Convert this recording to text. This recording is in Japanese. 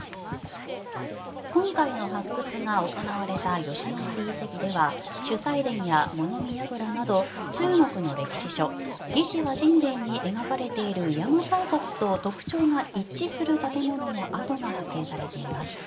今回の発掘が行われた吉野ヶ里遺跡では主祭殿や物見やぐらなど中国の歴史書「魏志倭人伝」に描かれている邪馬台国と特徴が一致する建物の跡が発見されています。